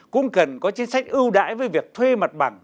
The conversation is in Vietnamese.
cũng cần có chính sách ưu đãi với việc thuê mặt bằng